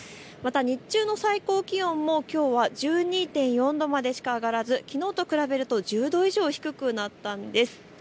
日中の最高気温もきょうは１２．４度までしか上がらずきのうと比べると１０度以上も低くなったんです。